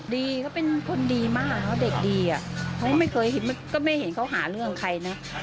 ดีเขาเป็นคนดีมากเขาเด็กดีอ่ะเขาก็ไม่เคยเห็นก็ไม่เห็นเขาหาเรื่องใครนะ